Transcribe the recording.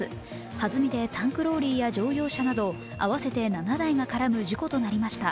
はずみでタンクローリーや乗用車など合わせて７台が絡む事故となりました。